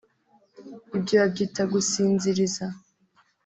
Ibyo babyita gusinziriza